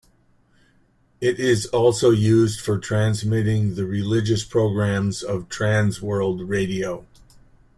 It is also used for transmitting the religious programmes of Trans World Radio.